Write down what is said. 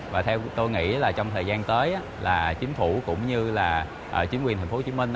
và theo tôi nghĩ là trong thời gian tới là chính phủ cũng như là chính quyền tp hcm